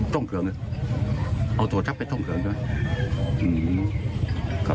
ตรงเครื่องนะเอาตรงทรัพย์ไปตรงเครื่องนะ